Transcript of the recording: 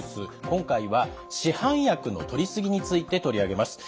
今回は市販薬のとりすぎについて取り上げます。